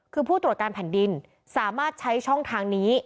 คือผู้ตรวจการแผ่นดินสามารถใช้ช่องทางนี้